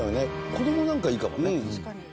子供なんかいいかもね。